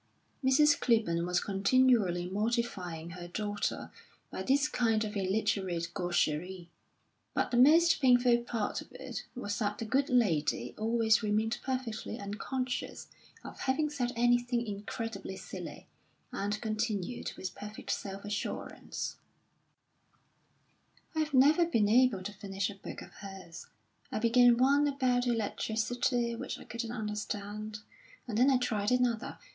Mrs. Clibborn was continually mortifying her daughter by this kind of illiterate gaucherie. But the most painful part of it was that the good lady always remained perfectly unconscious of having said anything incredibly silly, and continued with perfect self assurance: "I've never been able to finish a book of hers. I began one about electricity, which I couldn't understand, and then I tried another.